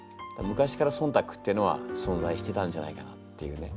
昔から「忖度」っていうのはそんざいしてたんじゃないかなっていうね。